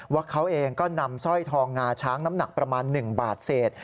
ว่าเขาเองก็นำสร้อยทองงาช้างน้ำหนักประมาณ๑บาทเศษ